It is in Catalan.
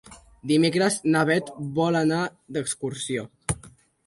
Dimecres na Beth vol anar d'excursió.